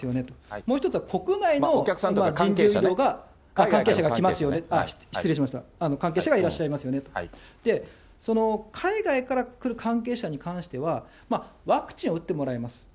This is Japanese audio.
もう一つは国内の人流移動が、失礼しました、関係者が来ますよね、関係者がいらっしゃいますよねと、その海外から来る関係者に関しては、ワクチンを打ってもらいます。